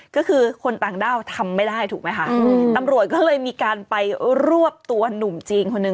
ก็คือคนต่างด้าวทำไม่ได้ถูกไหมคะตำรวจก็เลยมีการไปรวบตัวหนุ่มจีนคนหนึ่ง